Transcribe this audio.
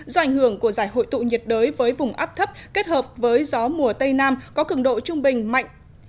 do ảnh hưởng của giải hội tụ nhiệt đới với vùng áp thấp kết hợp với gió mùa tây nam có cường độ trung bình mạnh